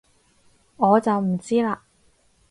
我就唔知喇